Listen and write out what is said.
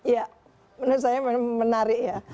ya menurut saya menarik ya